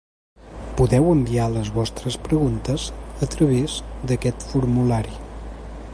Podeu enviar les vostres preguntes a través d’aquest formulari.